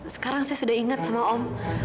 sekarang saya sudah ingat sama om